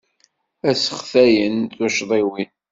Ad sseɣtayen tucḍiwin.